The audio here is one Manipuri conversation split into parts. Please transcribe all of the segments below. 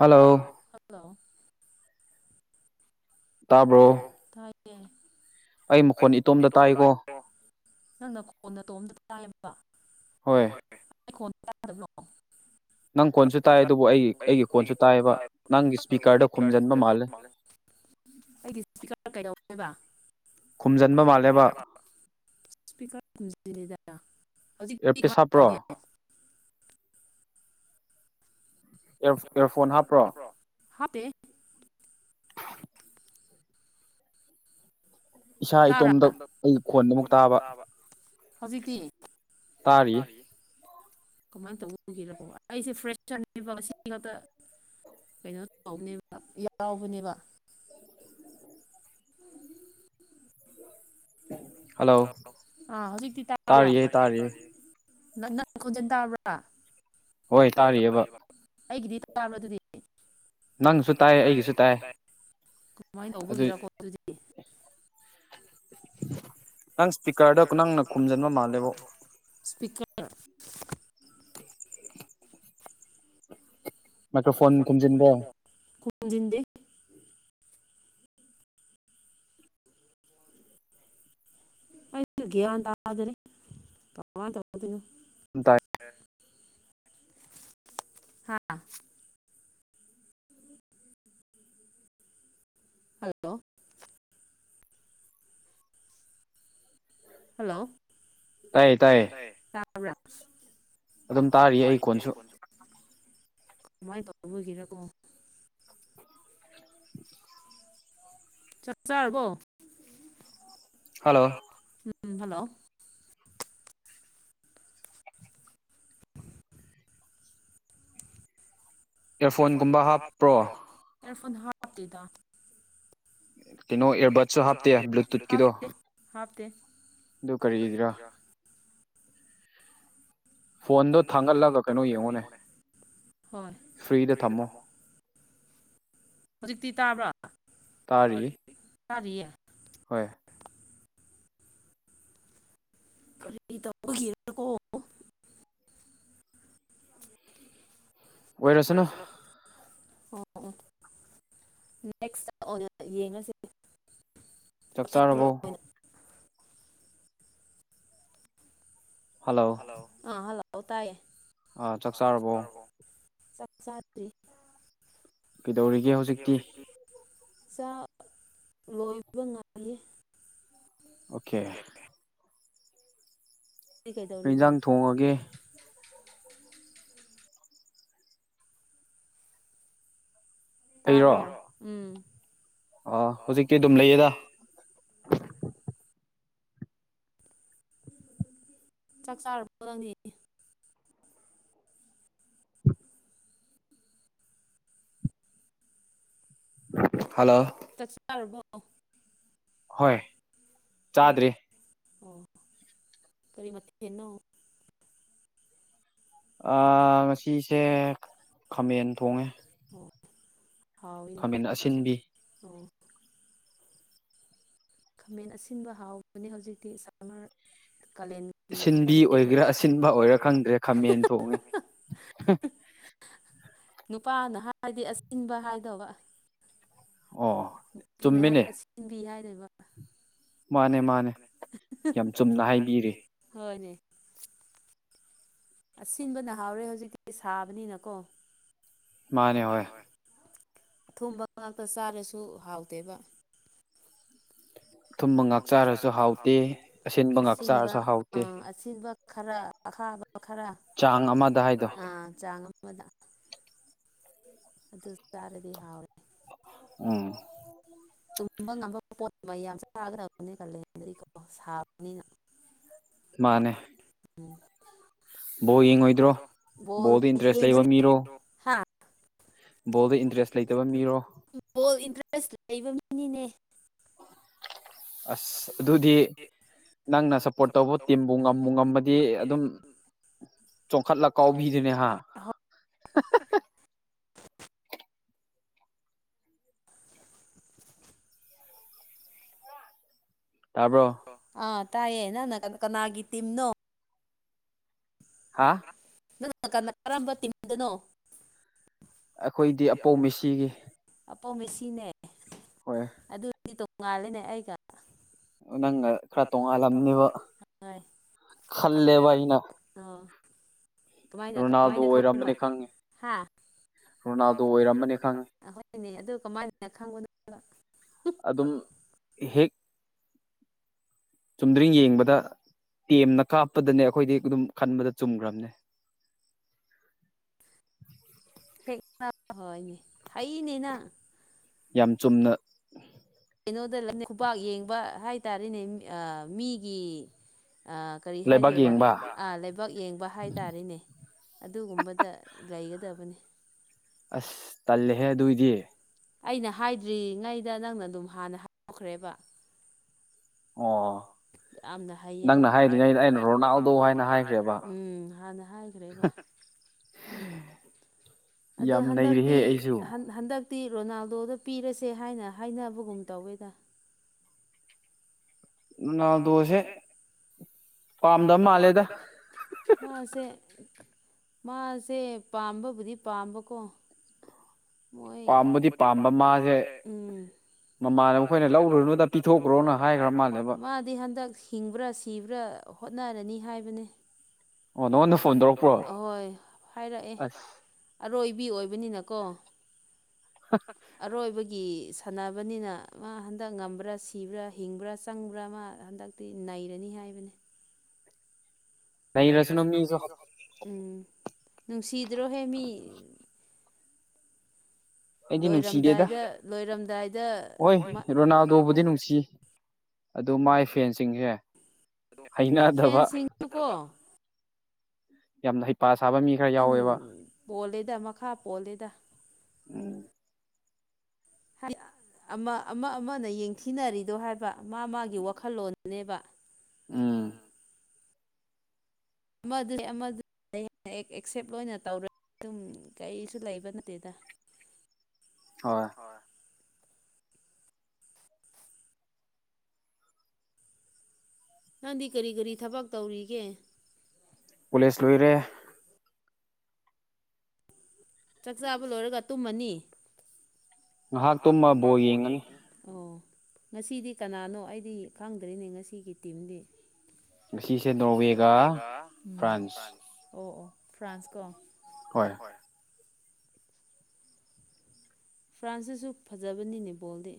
ꯍꯜꯂꯣ ꯍꯥꯂꯣ ꯍꯂꯣ ꯇꯥꯕ꯭ꯔꯣ ꯑꯩ ꯃꯈꯣꯟ ꯃꯈ ꯏꯇꯣꯝꯗ ꯏꯇꯣꯝꯗꯣ ꯇꯥꯏꯀꯣ [unintelligible] ꯅꯪꯅ ꯈꯣꯟ ꯅ ꯇꯣꯝꯇ ꯇꯥꯏꯌꯦꯕ ꯍꯣꯏ ꯑꯩ ꯈꯣꯜ ꯇꯗꯕꯔꯣ [inaudible] ꯅꯪ ꯀꯣꯟꯁꯨ ꯇꯥꯏ ꯑꯗꯨꯕꯨ ꯑꯩ ꯑꯩꯒꯤ ꯀꯣꯟꯁꯨ ꯇꯥꯏꯑꯕ ꯅꯪꯒꯤ ꯏꯁꯄꯤꯀꯔꯗꯣ ꯈꯨꯝꯖꯤꯟꯕ ꯃꯥꯜꯂꯦ [inaudible] ꯑꯩꯒꯤ ꯁꯄꯤꯀꯔ ꯀꯩꯗꯧꯅꯦꯕ ꯈꯨꯝꯖꯤꯟꯕ ꯈꯨꯝꯖꯟꯕ ꯃꯥꯜꯂꯦꯕ ꯃꯜꯂꯦꯕꯥ ꯁꯄꯤꯀꯔ ꯈꯨꯝꯖꯟ ꯗꯦꯗꯥ ꯏꯌꯥꯔꯄꯤꯁ ꯍꯥꯞꯄ꯭ꯔꯣ ꯋꯥ ꯏꯔ ꯏꯔꯐꯣꯟ ꯍꯥꯞꯄ꯭ꯔꯣ ꯍꯞꯇꯦ ꯏꯁꯥ ꯇꯥꯕꯔꯥ ꯏꯇꯣꯝꯗ [unintelligible] ꯑꯩ ꯈꯣꯟꯗ ꯑꯃꯨꯛ ꯀꯣꯟ ꯇꯥꯕ ꯍꯧꯖꯤꯛ ꯇꯤ ꯇꯥꯔꯤꯌꯦ ꯇꯔꯤꯌꯦ ꯀꯃꯥꯏꯅ ꯇꯧꯕꯒꯤꯔꯣ ꯑꯩꯁꯦ ꯐ꯭ꯔꯦꯁꯔꯅꯦꯕ ꯉꯁꯤ ꯈꯛꯇ ꯀꯩꯅꯣ ꯇꯧꯕꯅꯦꯕ ꯌꯥꯎꯕꯅꯦꯕ ꯍꯜꯂꯣ ꯑꯥ ꯍꯧꯖꯤꯛꯇꯤ ꯇꯥꯕ꯭ꯔ ꯇꯥꯔꯤꯌꯦ ꯇꯥꯔꯤꯌꯦ ꯅꯪ ꯈꯣꯟꯖꯦꯜ ꯇꯥꯕ꯭ꯔꯥ ꯍꯣꯏ ꯇꯔꯤꯌꯦꯕꯥ ꯑꯩꯒꯤꯗꯤ ꯇꯥꯕꯔꯥ ꯑꯗꯨꯗꯤ ꯅꯪꯁꯨ ꯇꯥꯏ ꯑꯩꯒꯤꯁꯨ ꯇꯥꯏ ꯀꯃꯥꯏꯅ ꯑꯗꯨ ꯇꯧꯕꯒꯤꯔꯣ ꯑꯗꯨꯗꯤ ꯅꯪ ꯏꯁꯄꯤꯀꯔꯗ ꯅꯪꯅ ꯈꯨꯝꯖꯤꯟꯕ ꯃꯥꯜꯂꯦꯕꯣ ꯁꯄꯤꯀꯔ ꯃꯥꯏꯀ꯭ꯔꯣꯐꯣꯟ ꯈꯨꯝꯖꯤꯟꯒꯦ ꯈꯨꯖꯤꯟꯗꯦ ꯑꯩꯒ ꯒꯌ꯭ꯥꯟ ꯇꯗꯅꯦ ꯀꯥꯃꯥꯏ ꯇꯧꯗꯣꯏꯅꯣ ꯇꯥꯏ ꯍꯥꯥ ꯍꯜꯂꯣ ꯍꯜꯂꯣ ꯇꯥꯏꯌꯦ ꯇꯥꯏꯌꯦ ꯇꯥꯌꯦ ꯇꯥꯌꯦ ꯇꯕꯔꯥ ꯑꯗꯨꯝ ꯇꯥꯔꯤꯌꯦ ꯑꯩ ꯇꯔꯤ ꯀꯣꯟꯁꯨ ꯑꯩꯒꯤ ꯈꯣꯟꯁꯨ ꯀꯃꯥꯏ ꯇꯧꯕꯒꯤꯔꯥ ꯀꯣ [inaudible] ꯆꯛ ꯆꯔꯥꯕꯣ ꯍꯜꯂꯣ ꯎꯝ ꯍꯜꯂꯣ ꯏꯌ꯭ꯥꯔꯐꯣꯟꯒꯨꯝꯕ ꯍꯥꯞꯄ꯭ꯔꯣ ꯑꯦꯌ꯭ꯥꯔꯐꯣꯟ ꯍꯥꯞꯇꯦꯗ ꯀꯩꯅꯣ ꯏꯌꯔꯕꯠꯁꯨ [unintelligible] ꯍꯥꯞꯇꯦ ꯍꯥꯞꯇꯦ ꯍꯥꯞꯇꯦ ꯗꯨ ꯀꯔꯤꯒꯤꯔꯥ ꯐꯣꯟꯗꯣ ꯊꯥꯡꯒꯠꯂꯒ ꯀꯩꯅꯣ ꯌꯦꯡꯉꯨꯅꯦ ꯍꯣꯏ ꯐ꯭ꯔꯤꯗ ꯊꯝꯃꯣ ꯍꯧꯖꯤꯛꯇꯤ ꯇꯥꯕ꯭ꯔꯥ ꯇꯥꯔꯤꯌꯦ ꯇꯥꯔꯤ ꯇꯥꯔꯤꯌꯦ ꯍꯣꯏ ꯀꯔꯤꯇꯧꯕꯒꯤꯔꯀꯣ ꯑꯣꯏꯔꯁꯅꯨ ꯑꯣꯏꯔꯁꯥꯅꯨ ꯅꯦꯛꯁ ꯑꯣꯏꯅ ꯌꯦꯡꯉꯁꯤ ꯆꯥꯛ ꯆꯥꯔꯕꯣ ꯑꯣꯏꯅ ꯍꯜꯂꯣ ꯑꯥ ꯍꯜꯂꯥꯎ ꯇꯥꯏꯌꯦ ꯑꯥ ꯆꯥꯛ ꯆꯥꯔꯕꯣ ꯆꯔꯥꯕꯣ ꯆꯥꯛ ꯆꯥꯗꯔꯤ ꯀꯩꯗꯧꯔꯤꯒꯦ ꯍꯧꯖꯤꯛꯇꯤ ꯆꯥꯛ ꯂꯣꯏꯕ ꯉꯥꯏꯔꯤ ꯑꯣꯈꯦ ꯅꯪꯗꯤ ꯀꯩ ꯀꯩꯗꯧꯔꯤꯕ ꯏꯟꯖꯥꯡ ꯊꯣꯡꯉꯒꯦ ꯇꯥꯕꯔꯣ ꯑꯩꯔꯣ ꯎꯝ ꯑꯥ ꯍꯧꯖꯤꯛꯇꯤ ꯑꯗꯨꯝ ꯂꯩꯌꯦꯗ ꯆꯥꯛ ꯆꯥꯔꯄꯣ ꯅꯪꯗꯤ ꯍꯜꯂꯣ ꯆꯥꯛ ꯆꯔꯥꯕꯣ ꯍꯣꯏ ꯆꯥꯗ꯭ꯔꯤ ꯑꯣ ꯀꯔꯤ ꯃꯊꯦꯟꯅꯣ ꯑꯥ ꯉꯥꯁꯤꯁꯦ ꯈꯥꯃꯦꯟ ꯊꯣꯡꯉꯦ ꯑꯣ ꯍꯥꯎꯋꯤꯅꯦ ꯈꯥꯃꯦꯟ ꯑꯁꯤꯟꯕꯤ ꯑꯣ ꯈꯥꯃꯦꯟ ꯑꯁꯤꯟꯕ ꯍꯥꯎꯕꯅꯦ ꯍꯧꯖꯤꯛꯇꯤ ꯁꯝꯃꯔ ꯀꯥꯂꯦꯟ ꯒꯤ ꯃꯇꯝ ꯁꯤꯟꯕꯤ ꯑꯣꯏꯒꯦꯔꯥ ꯑꯁꯤꯟꯕ ꯑꯣꯏꯒꯔꯥ ꯈꯪꯗ꯭ꯔꯦ ꯈꯥꯃꯦꯟ ꯊꯣꯡꯉꯤ ꯅꯨꯄꯥꯅ ꯍꯥꯏꯔꯗꯤ ꯑꯁꯤꯟꯕ ꯍꯥꯏꯗꯧꯕ ꯑꯣ ꯅꯨꯄꯤꯅ ꯆꯨꯝꯃꯤꯅꯦ ꯍꯥꯏꯔꯗꯤ ꯑꯁꯤꯟꯕꯤ ꯍꯥꯏꯗꯣꯏꯕ ꯃꯥꯅꯦ ꯃꯥꯟꯅꯦ ꯃꯥꯅꯦ ꯃꯥꯟꯅꯦ ꯌꯥꯝ ꯆꯨꯝꯅ ꯍꯥꯏꯕꯤꯔꯦ ꯍꯣꯏꯅꯦ ꯑꯁꯤꯟꯕꯅ ꯍꯥꯎꯔꯦ ꯍꯧꯖꯤꯛꯇꯤ ꯁꯥꯕꯅꯤꯅꯀꯣ ꯃꯥꯅꯦ ꯍꯣꯏ ꯃꯥꯟꯅꯦ ꯍꯣꯢ ꯑꯊꯨꯝꯕ ꯉꯥꯛꯇ ꯆꯥꯔꯁꯨ ꯍꯥꯎꯇꯦꯕ ꯊꯨꯝꯕ ꯑꯊꯨꯝꯕ ꯉꯥꯛ ꯆꯥꯔꯁꯨ ꯍꯥꯎꯇꯦ ꯍꯥꯎꯇꯦꯌꯦ ꯉꯥꯛ ꯑꯁꯤꯟꯕ ꯆꯥꯔꯁꯨ ꯍꯥꯎꯇꯦ ꯑꯥ ꯑꯁꯤꯟꯕ ꯈꯔꯥ ꯑꯈꯥꯕ ꯈꯔꯥ ꯆꯥꯡ ꯑꯃꯗ ꯑꯥ ꯆꯥꯡ ꯑꯃꯗ ꯑꯗꯨ ꯆꯥꯔꯗꯤ ꯍꯥꯎꯋꯦ ꯎꯝ ꯇꯨꯝꯕ ꯉꯝꯕ ꯄꯣꯠ ꯃꯌꯥꯝ ꯆꯥꯒꯗꯕꯅꯤ ꯀꯥꯂꯦꯟꯗꯗꯤꯀꯣ ꯁꯥꯕꯅꯤꯅ ꯃꯥꯅꯦ ꯃꯥꯟꯅꯦ ꯎꯝ ꯕꯣꯜ ꯌꯦꯡꯉꯣꯏꯗ꯭ꯔꯣ ꯕꯣꯜ ꯕꯣꯜꯗ ꯏꯟꯇꯔꯦꯁ ꯂꯩꯕ ꯌꯦꯡꯒꯅꯤ ꯃꯤꯔꯣ [unintelligible] ꯍꯥ ꯕꯣꯜꯗ ꯏꯟꯇ꯭ꯔꯦꯁ ꯂꯩꯇꯕ ꯃꯤꯔꯣ ꯕꯣꯜ ꯏꯟꯇ꯭ꯔꯦꯁ ꯂꯩꯕ ꯃꯤꯅꯤꯅꯦ ꯑꯁ ꯑꯗꯨꯗꯤ ꯅꯪꯅ ꯁ꯭ꯄꯣꯔꯠ ꯇꯧꯕ ꯇꯤꯝꯕꯨ ꯉꯝꯕꯨ ꯉꯝꯃꯗꯤ ꯑꯗꯨꯝ ꯆꯣꯡꯈꯠꯂ ꯀꯥꯎꯕꯤꯗꯨꯅꯦꯍꯥ ꯇꯥꯕꯔꯣ ꯑ ꯇꯥꯏꯌꯦ ꯅꯪꯅ ꯀꯅ ꯀꯅꯥꯒꯤ ꯇꯤꯝꯅꯣ ꯍꯥ ꯅꯪ ꯀꯔꯝꯕ ꯇꯤꯝꯗꯅꯣ ꯑꯩꯈꯣꯏꯗꯤ ꯑꯄꯧ ꯃꯦꯁꯤꯒꯤ ꯑꯄꯧ ꯃꯦꯁꯤꯅꯦ ꯍꯣꯏ ꯑꯗꯨꯗꯤ ꯇꯣꯡꯉꯥꯜꯂꯦꯅꯦ ꯑꯩꯒ ꯅꯪꯒ ꯈꯔ ꯇꯣꯡꯉꯥꯜꯂꯝꯅꯦꯕ ꯍꯣꯏ ꯈꯜꯂꯦꯕ ꯑꯩꯅ ꯑꯣ ꯀꯃꯥꯏꯅ ꯔꯣꯅꯥꯜꯗꯣ ꯀꯃꯥꯏꯅ ꯑꯣꯏꯔꯝꯕꯅꯤ ꯈꯪꯉꯦ ꯈꯪꯕ ꯔꯣꯅꯥꯜꯗꯣ ꯔꯣꯅꯜꯗꯣ ꯑꯣꯏꯔꯝꯕꯅꯤ ꯑꯣꯏꯔꯝꯅꯤ ꯈꯪꯉꯤ ꯍꯥ ꯍꯣꯏꯅꯦ ꯑꯗꯨ ꯀꯃꯥꯏꯅ ꯈꯪꯕꯅꯣꯕ ꯑꯗꯨꯝ ꯍꯦꯛ ꯆꯨꯝꯗ꯭ꯔꯤꯡ ꯌꯦꯡꯕꯗ ꯇꯦꯝꯅ ꯀꯥꯞꯄꯗꯅꯦ ꯑꯩꯈꯣꯏꯗꯤ ꯑꯗꯨꯝ ꯈꯟꯕꯗ ꯆꯨꯝꯈ꯭ꯔꯕꯅꯦ ꯍꯦꯛꯅꯕ ꯍꯣꯏꯅꯦ ꯍꯩꯅꯦ ꯅꯪ ꯌꯥꯝ ꯆꯨꯝꯅ ꯀꯩꯅꯣꯗ ꯂꯩꯕ ꯈꯨꯕꯥꯛ ꯌꯦꯡꯕ ꯍꯥꯏꯇꯥꯔꯦꯅꯦ ꯃꯤꯒꯤ ꯑ ꯀꯔꯤ ꯂꯩꯕꯥꯛ ꯍꯥꯏꯗꯣꯏꯔ ꯌꯦꯡꯕ ꯑꯥ ꯂꯩꯕꯥꯛ ꯌꯦꯡꯕ ꯍꯥꯏꯇꯥꯔꯦꯅꯦ ꯑꯗꯨꯒꯨꯝꯕꯗ ꯂꯩꯒꯗꯕꯅꯤ ꯑꯁ ꯇꯜꯂꯦꯍꯦ ꯑꯗꯨꯏꯗꯤ ꯑꯩꯅ ꯍꯥꯏꯗ꯭ꯔꯤꯉꯩꯗ ꯅꯪꯅ ꯑꯗꯨꯝ ꯍꯥꯟꯅ ꯍꯥꯏꯗꯣꯛꯈꯔꯕꯥ ꯑꯣ ꯌꯥꯝꯅ ꯍꯩꯌꯦꯕ ꯅꯪꯅ ꯍꯥꯏꯗꯔꯤꯉꯩꯗ ꯑꯩꯅ ꯔꯣꯅꯥꯜꯗꯣ ꯍꯥꯏꯅ ꯍꯥꯏꯈ꯭ꯔꯦꯕ ꯎꯝ ꯍꯥꯟꯅ ꯍꯥꯏꯈ꯭ꯔꯦꯕ ꯎꯝ [unintelligible] ꯑꯗꯨ ꯍꯟꯗꯛꯇꯤ ꯑꯩꯁꯨ ꯍꯟꯗꯛꯇꯤ ꯔꯣꯅꯥꯜꯗꯣꯗ ꯄꯤꯔꯁꯦ ꯍꯥꯏꯅ ꯍꯥꯏꯅꯕꯒꯨꯝ ꯇꯧꯋꯦꯗ ꯔꯣꯅꯜꯗꯣꯁꯦ ꯄꯝꯗ ꯃꯜꯂꯦꯗꯥ ꯃꯥꯁꯦ ꯃꯥꯁꯦ ꯄꯥꯝꯕꯕꯨꯗꯤ ꯄꯥꯝꯕꯀꯣ ꯃꯣꯏ ꯄꯥꯝꯕꯗꯤ ꯄꯥꯝꯕ ꯃꯥꯁꯦ ꯃꯃꯥꯟꯅꯕ ꯑꯩꯈꯣꯏꯅ ꯃꯃꯥꯟꯅꯕꯈꯣꯏꯅ ꯂꯧꯔꯨꯅꯨꯗ ꯂꯧꯔꯣꯅꯨꯗ ꯄꯤꯊꯣꯛꯈ꯭ꯔꯣꯅ ꯍꯥꯏꯈ꯭ꯔ ꯍꯥꯏꯒ꯭ꯔꯥ ꯃꯥꯜꯂꯦ ꯃꯥꯜꯂꯦꯕ ꯃꯥꯗꯤ ꯍꯟꯗꯛ ꯍꯤꯡꯕ꯭ꯔꯥ ꯁꯤꯕ꯭ꯔꯥ ꯍꯣꯠꯅꯔꯅꯤ ꯍꯥꯏꯕꯅꯦ ꯅꯉꯣꯟꯗ ꯐꯣꯟ ꯇꯧꯔꯛꯄꯔꯣ ꯍꯣꯏ ꯍꯥꯏꯔꯛꯑꯦ ꯑꯁ ꯑꯔꯣꯏꯕꯤ ꯑꯣꯏꯕꯅꯤꯅꯀꯣ ꯑꯔꯣꯏꯕꯒꯤ ꯁꯥꯟꯅꯕꯅꯤꯅ ꯃꯥ ꯍꯟꯗꯛ ꯉꯝꯕ꯭ꯔꯥ ꯁꯤꯕ꯭ꯔꯥ ꯍꯤꯡꯕ꯭ꯔꯥ ꯆꯪꯕ꯭ꯔꯥ ꯃꯥ ꯍꯟꯗꯛꯇꯤ ꯅꯩꯔꯅꯤ ꯍꯥꯏꯕꯅꯤ ꯅꯩꯔꯁꯅꯨ ꯅꯩꯔꯁꯥꯅꯨ ꯃꯤꯁꯨ ꯃꯤꯖꯨ ꯎꯝ ꯅꯨꯡꯁꯤꯗ꯭ꯔꯣ ꯍꯦ ꯃꯤ ꯑꯩꯗꯤ ꯅꯨꯡꯁꯤꯗꯦꯗ ꯂꯣꯏꯔꯝꯗꯥꯏꯗ ꯂꯣꯏꯔꯝꯗꯥꯏꯗ ꯍꯣꯏ ꯔꯣꯅꯥꯜꯗꯣꯕꯨꯗꯤ ꯔꯣꯅꯜꯗꯣꯕꯨꯗꯤ ꯅꯨꯡꯁꯤ ꯑꯗꯨ ꯃꯥꯏ ꯐꯦꯟꯁꯤꯡꯁꯦ ꯍꯩꯅꯗꯕ ꯐꯦꯟꯁꯤꯡꯗꯨꯀꯣ ꯌꯥꯝꯅ ꯍꯩꯄ ꯁꯥꯕ ꯃꯤ ꯈꯔ ꯃꯈꯝ ꯌꯥꯎꯋꯦꯕ ꯄꯣꯜꯂꯦꯗ ꯃꯈꯥ ꯄꯣꯜꯂꯦꯗ ꯎꯝ ꯍꯥꯏꯗꯤ ꯑꯃ ꯑꯃ ꯑꯃꯅ ꯌꯦꯡꯊꯤꯅꯔꯤꯗꯣ ꯍꯥꯏꯕ ꯃꯥ ꯃꯥꯒꯤ ꯋꯥꯈꯜꯂꯣꯟꯅꯦꯕ ꯎꯝ ꯑꯃꯗꯨꯅꯦ ꯑꯦꯛꯁꯦꯞ ꯂꯣꯏꯅ ꯇꯧꯔꯦ ꯑꯗꯨꯝ ꯀꯩꯁꯨ ꯂꯩꯕ ꯅꯠꯇꯦꯗ ꯍꯣꯏ ꯍꯣꯏ ꯅꯪꯗꯤ ꯀꯔꯤ ꯀꯔꯤ ꯊꯕꯛ ꯇꯧꯔꯤꯒꯦ ꯀꯣꯂꯦꯖ ꯂꯣꯏꯔꯦ ꯆꯥꯛ ꯆꯥꯕ ꯂꯣꯏꯔꯒ ꯇꯨꯝꯃꯅꯤ ꯉꯥꯏꯍꯥꯛ ꯇꯨꯝꯃ ꯕꯣꯜ ꯌꯦꯡꯉꯅꯤ ꯑꯣ ꯉꯁꯤꯗꯤ ꯀꯅꯥꯅꯣ ꯑꯩꯗꯤ ꯈꯪꯗ꯭ꯔꯤꯅꯦ ꯉꯁꯤꯒꯤ ꯇꯤꯝꯗꯤ ꯁꯤꯁꯦ ꯅꯣꯔꯋꯦꯒ ꯐ꯭ꯔꯥꯟꯁ ꯑꯣ ꯑꯣ ꯐ꯭ꯔꯥꯟꯁ ꯀꯣ ꯍꯣꯏ ꯐ꯭ꯔꯥꯟꯁꯇꯁꯨ ꯐꯖꯕꯅꯤꯅꯦ ꯕꯣꯜꯗꯤ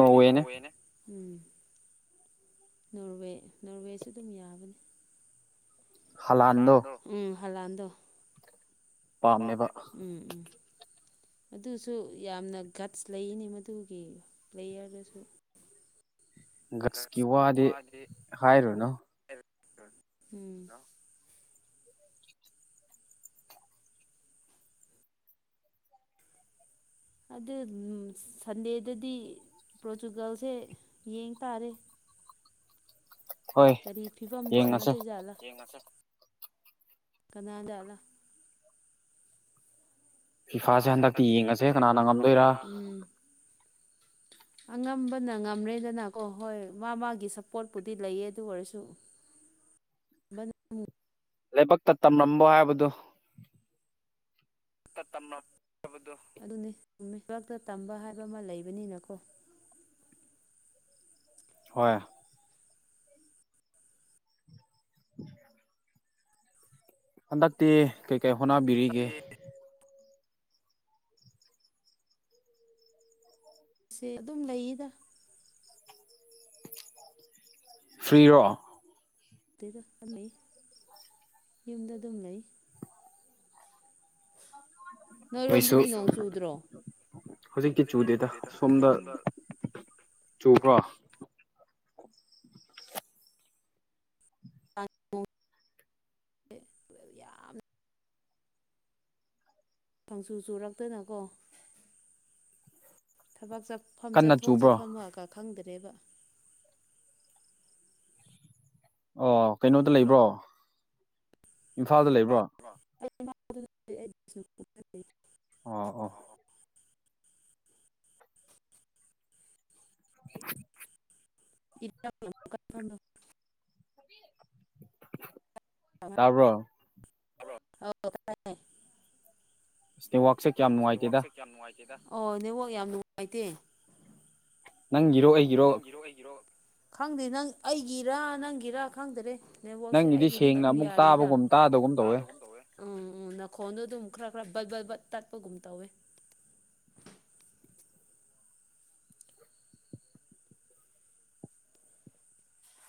ꯑꯩꯗꯤ ꯅꯣꯔꯋꯦꯅꯤ ꯎꯝ ꯅꯣꯔꯋꯦ ꯅꯣꯔꯋꯦꯁꯨ ꯑꯗꯨꯝ ꯌꯥꯕꯅꯤ ꯍꯂꯥꯟꯗꯣ ꯍꯜꯂꯥꯟꯗꯣ ꯎꯝ ꯍꯜꯂꯥꯟꯗꯣ ꯄꯥꯝꯃꯦꯕ ꯎꯝ ꯑꯗꯨꯁꯨ ꯌꯥꯝꯅ ꯒꯠꯁ ꯂꯩꯅꯤ ꯃꯗꯨꯒꯤ ꯄꯌꯔꯗꯁꯨ ꯒꯁꯀꯤ ꯋꯥꯗꯤ ꯍꯥꯏꯔꯨꯅꯨ ꯎꯝ ꯑꯗꯨ ꯁꯟꯗꯦꯗꯗꯤ ꯄꯣꯔꯇꯨꯒꯜꯁꯦ ꯌꯦꯡ ꯇꯥꯔꯦ ꯍꯣꯏ ꯀꯔꯤ ꯐꯤꯕꯝꯗ ꯌꯦꯡꯉꯁꯦ ꯁꯥꯟꯅꯗꯣꯏ ꯖꯥꯠꯂꯥ ꯀꯅꯥ ꯖꯥꯠꯂꯥ ꯐꯤꯐꯥꯁꯦ ꯍꯟꯗꯛꯇꯤ ꯌꯦꯡꯉꯁꯦ ꯀꯅꯥꯅ ꯉꯝꯗꯣꯏꯔ ꯎꯝ ꯑꯉꯝꯕꯅ ꯉꯝꯔꯦꯗꯅꯀꯣ ꯍꯣꯏ ꯃꯥ ꯃꯥꯒꯤ ꯁꯞꯄꯣꯔꯠꯄꯨꯗꯤ ꯂꯩꯌꯦ ꯑꯗꯨ ꯑꯣꯏꯔꯁꯨ ꯂꯥꯏꯕꯛꯇ ꯇꯝꯂꯝꯕ ꯍꯥꯏꯕꯗꯨ ꯑꯗꯨꯅꯤ ꯃꯔꯛꯇ ꯇꯝꯕ ꯍꯥꯏꯕ ꯑꯃ ꯂꯩꯕꯅꯤꯅꯀꯣ ꯍꯣꯏ [unintelligible] ꯍꯟꯗꯛꯇꯤ ꯀꯩ ꯀꯩ ꯍꯣꯠꯅꯕꯤꯔꯤꯒꯦ ꯁꯦ ꯑꯗꯨꯝ ꯂꯩꯌꯦꯗ ꯐ꯭ꯔꯤꯔꯣ ꯑꯗ ꯂꯩ ꯌꯨꯝꯗ ꯑꯗꯨꯝ ꯂꯩ [unintelligible] ꯑꯩꯈꯣꯏꯁꯨ ꯅꯣꯏꯔꯣꯝꯗꯗꯤ ꯅꯣꯡ ꯆꯨꯗ꯭ꯔꯣ ꯍꯧꯖꯤꯛꯇꯤ ꯆꯨꯗꯦꯗ ꯁꯣꯝꯗ ꯎꯝ ꯆꯨꯕ꯭ꯔꯣ ꯌꯥꯝ ꯄꯪꯁꯨꯨ ꯆꯨꯔꯛꯇꯅꯀꯣ ꯊꯕꯛ ꯆꯠꯐꯝ ꯀꯟꯅ ꯆꯠꯊꯣꯛ ꯆꯨꯕ꯭ꯔꯣ ꯆꯠꯐꯝꯃꯒ ꯈꯪꯗ꯭ꯔꯦꯕ ꯑꯣ ꯀꯩꯅꯣꯗ ꯂꯩꯕ꯭ꯔꯣ ꯏꯝꯐꯥꯜꯗ ꯂꯩꯕ꯭ꯔꯣ [unintelligible] ꯑꯣꯑꯣ [unintelligible] [unintelligible] [unintelligible] ꯇꯥꯕꯔ [unintelligible] ꯑꯁ ꯅꯦꯠꯋꯥꯛꯁꯦ ꯀꯌꯥꯝ ꯅꯨꯡꯉꯥꯏꯇꯦꯗ ꯅꯦꯠꯋꯥꯛꯁꯤ ꯀꯌꯥ ꯅꯨꯡꯉꯥꯏꯇꯦꯗ ꯑꯣ ꯅꯦꯠꯋꯥꯛ ꯌꯥꯝ ꯅꯨꯡꯉꯥꯏꯇꯦ ꯅꯪꯒꯤꯔꯣ ꯑꯩ ꯅꯪꯒꯤꯔꯣ ꯑꯩꯒꯤꯔ ꯈꯪꯗꯦ ꯅꯪ ꯑꯩꯒꯤꯔ ꯅꯪꯒꯤꯔ ꯈꯪꯗꯔꯦ ꯅꯪꯒꯤꯗꯤ ꯑꯩꯒꯤꯗꯤ ꯁꯦꯡꯅ ꯑꯗꯨꯝ ꯑꯃꯨꯛ ꯌꯥꯔꯤꯗ ꯇꯥꯕꯒꯨꯝ ꯇꯥꯕꯒꯨꯝ ꯇꯥꯗꯒꯨꯝ ꯇꯧꯋꯦ ꯎꯝ ꯎꯝ ꯅꯥꯈꯣꯟꯗꯣ ꯑꯗꯨꯝ ꯈꯔ ꯈꯔ ꯕꯠ ꯕꯠ ꯕꯠ ꯇꯠꯄꯒꯨꯝ ꯇꯧꯋꯦ